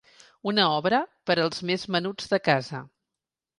Una obra per als més menuts de casa.